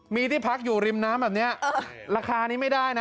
มีที่พักอยู่ริมน้ำแบบนี้ราคานี้ไม่ได้นะ